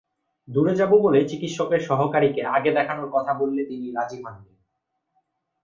দূরে যাব বলে চিকিৎসকের সহকারীকে আগে দেখানোর কথা বললে তিনি রাজি হননি।